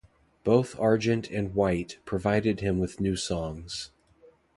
Both Argent and White provided him with new songs.